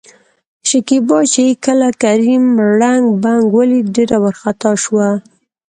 شکيبا چې کله کريم ړنګ، بنګ ولېد ډېره ورخطا شوه.